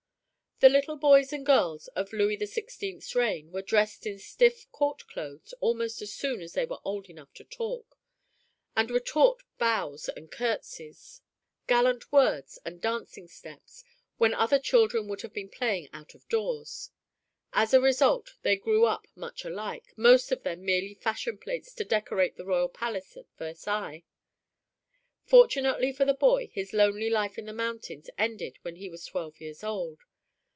The little boys and girls of Louis XVI's reign were dressed in stiff court clothes almost as soon as they were old enough to talk, and were taught bows and curtsies, gallant words and dancing steps when other children would have been playing out of doors. As a result they grew up much alike, most of them merely fashion plates to decorate the royal palace at Versailles. Fortunately for the boy his lonely life in the mountains ended when he was twelve years old.